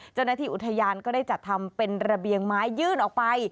เจ้าหน้าที่อุทยานก็ได้จัดทำเป็นระเบียงไม้ยื่นออกไป